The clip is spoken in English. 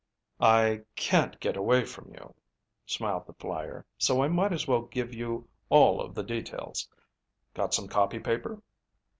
"I can't get away from you," smiled the flyer, "so I might as well give you all of the details. Got some copypaper?"